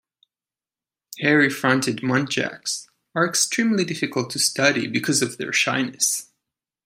Hairy-fronted muntjacs are extremely difficult to study because of their shyness.